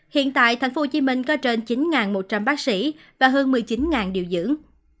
hiện tại tp hcm có trên chín một trăm linh bác sĩ và hơn một mươi chín điều dưỡng